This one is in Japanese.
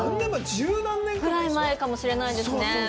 十何年前？かもしれないですね。